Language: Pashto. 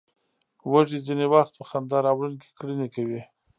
وزې ځینې وخت په خندا راوړونکې کړنې کوي